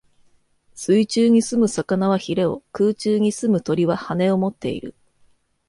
水中に棲む魚は鰭を、空中に棲む鳥は翅をもっている。